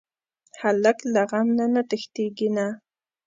هلک له غم نه تښتېږي نه.